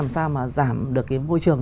làm sao mà giảm được cái vô trường